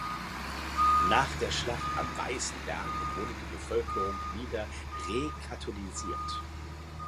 Nach der Schlacht am Weißen Berg wurde die Bevölkerung wieder rekatholisiert.